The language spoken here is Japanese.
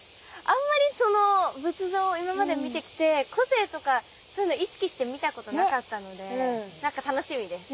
あんまりその仏像を今まで見てきて個性とかそういうの意識して見たことなかったので何か楽しみです。